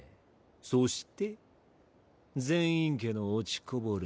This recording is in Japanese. そして禪院家の落ちこぼれ。